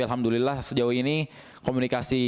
alhamdulillah sejauh ini komunikasi